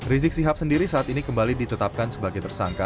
rizik sihab sendiri saat ini kembali ditetapkan sebagai tersangka